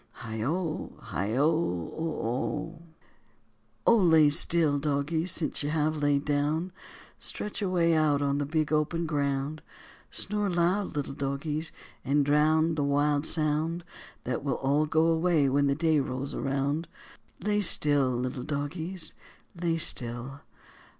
Hi oo, hi oo, oo oo. Oh, lay still, dogies, since you have laid down, Stretch away out on the big open ground; Snore loud, little dogies, and drown the wild sound That will all go away when the day rolls round, Lay still, little dogies, lay still.